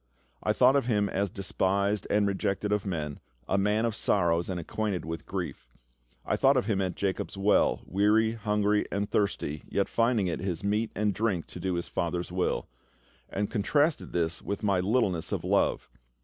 I thought of Him as "despised and rejected of men, a Man of sorrows, and acquainted with grief"; I thought of Him at Jacob's well, weary, hungry, and thirsty, yet finding it His meat and drink to do His Father's will; and contrasted this with my littleness of love.